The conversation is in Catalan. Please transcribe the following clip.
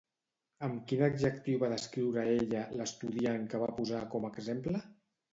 Amb quin adjectiu va descriure ella l'estudiant que va posar com a exemple?